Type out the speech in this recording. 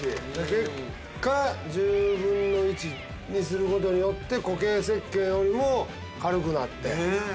結果１０分の１にすることによって固形石けんよりも軽くなって。